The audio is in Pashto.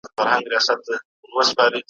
رندان څه رنګه تا ویږي